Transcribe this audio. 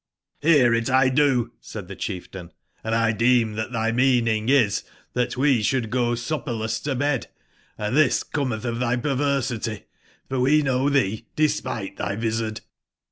jBHRitldo,'' said tbe cbief tain, ''andldeem tbat tby meaning is tbatwe sbould go sup perless to bed ; and tbis cometb of tby per versity : for we know tbee despite tby vizard.